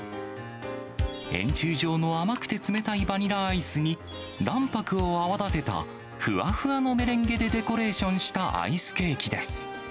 円柱状の冷たいバニラアイスに卵白を泡立てたふわふわのメレンゲでデコレーションしたアイスケーキです。